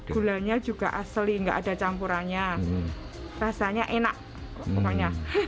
gulanya juga asli nggak ada campurannya rasanya enak pokoknya